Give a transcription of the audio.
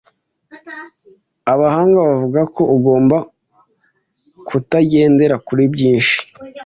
abahanga bavugako ugomba kutagendera kuri byinshi